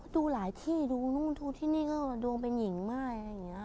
ดูหลายที่ดูที่นี่ดวงเป็นหญิงมาย